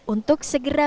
untuk segera memilih